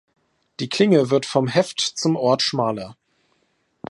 Die Klinge wird vom Heft zum Ort schmaler.